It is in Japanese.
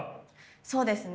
そうですね。